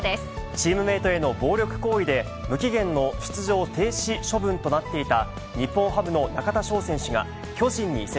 チームメートへの暴力行為で、無期限の出場停止処分となっていた、日本ハムの中田翔選手が、巨人に移籍。